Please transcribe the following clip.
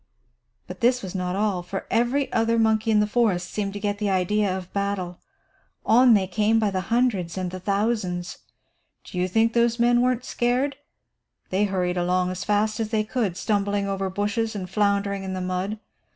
"But this was not all, for every other monkey in the forest seemed to get the idea of battle. On they came by the hundreds and the thousands. Do you think those men weren't scared? They hurried along as fast as they could, stumbling over bushes and floundering in the mud.